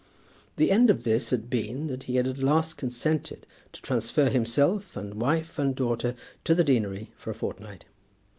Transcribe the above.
The end of this had been that he had at last consented to transfer himself and wife and daughter to the deanery for a fortnight.